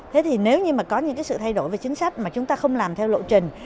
thế thì nếu như mà có những cái sự thay đổi về chính sách mà chúng ta không làm theo lộ trình